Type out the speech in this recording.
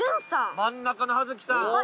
真ん中の葉月さん。